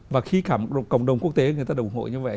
và khi cả một cộng đồng quốc tế người ta đồng hội như vậy